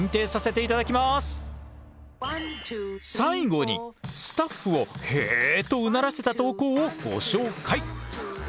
最後にスタッフを「へえ」とうならせた投稿をご紹介！